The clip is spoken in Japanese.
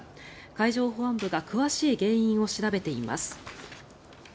海上保安部が詳しい原因を調べています。